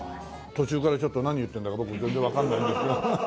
途中からちょっと何言ってるんだか僕全然わかんない。